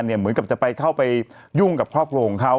เหมือนกับจะไปเข้าไปยุ่งกับครอบครัวของเขา